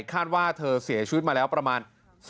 คาดว่าเธอเสียชีวิตมาแล้วประมาณ